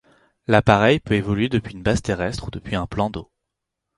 L'appareil peut évoluer depuis une base terrestre ou depuis un plan d'eau.